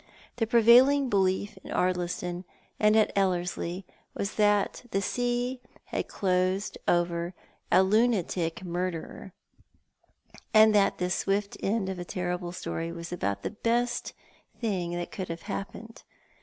The prevailing belief in Ardliston and at Ellerslie was that the sea had closed over a lunatic murderer. *■' Forgetting All T/izjigs!' 167 and that this swift end of a terrible story was about the best thing that could have happened.